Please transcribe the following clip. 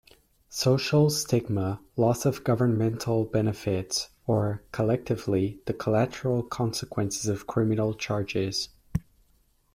social stigma, loss of governmental benefits, or, collectively, the collateral consequences of criminal charges.